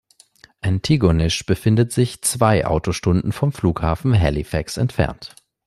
Antigonish befindet sich zwei Autostunden vom Flughafen Halifax entfernt.